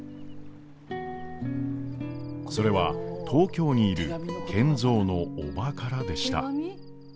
それは東京にいる賢三の叔母からでした。